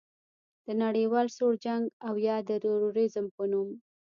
د نړیوال سوړ جنګ او یا د تروریزم په نوم